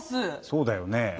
そうだよね。